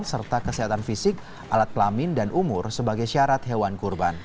serta kesehatan fisik alat pelamin dan umur sebagai syarat hewan kurban